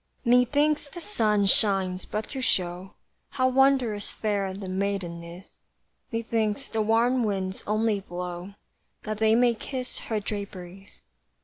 Methinks the sun shines but to show How wondrous fair the maiden is; Methinks the warm winds only blow That they may kiss her draperies.